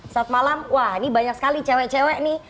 saat malam wah ini banyak sekali cewek cewek nih